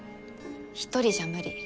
１人じゃ無理。